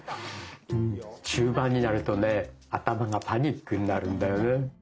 中盤になるとね頭がパニックになるんだよね。